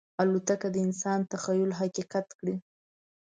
الوتکه د انسان تخیل حقیقت کړی.